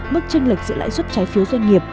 mức tranh lệch giữa lãi suất trái phiếu doanh nghiệp